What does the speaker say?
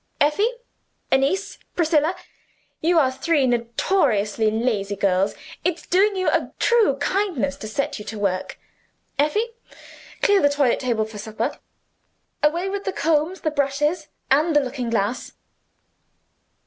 Effie, Annis, Priscilla, you are three notoriously lazy girls; it's doing you a true kindness to set you to work. Effie, clear the toilet table for supper; away with the combs, the brushes, and the looking glass.